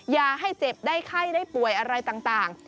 อย่าให้เจ็บได้ไข้ได้ป่วยอะไรต่าง